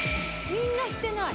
みんなしてない。